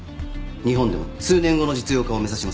日本でも数年後の実用化を目指します。